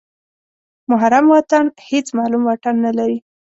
محرم واټن هېڅ معلوم واټن نلري.